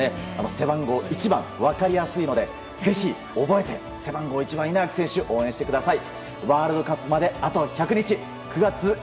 背番号１番、分かりやすいのでぜひ覚えて背番号１番、稲垣選手を応援してください。